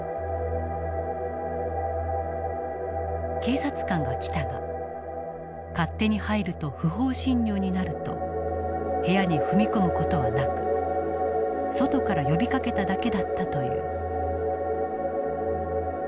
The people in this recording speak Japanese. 警察官が来たが「勝手に入ると不法侵入になる」と部屋に踏み込む事はなく外から呼びかけただけだったという。